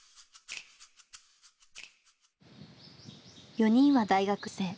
４人は大学生。